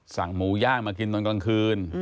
สั่งหมูย่างมากินตอนกลางคืน